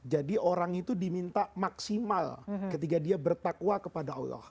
jadi orang itu diminta maksimal ketika dia bertakwa kepada allah